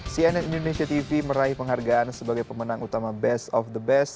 cnn indonesia tv meraih penghargaan sebagai pemenang utama best of the best